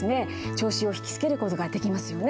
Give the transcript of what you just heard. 聴衆を引き付ける事ができますよね。